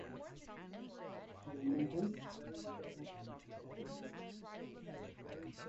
The music video for "Bullet Holes" was directed by Jesse Davey.